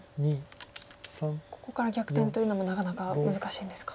ここから逆転というのもなかなか難しいんですか。